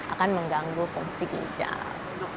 akan mengganggu fungsi ginjal